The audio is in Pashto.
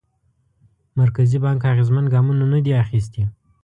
مرکزي بانک اغېزمن ګامونه ندي اخیستي.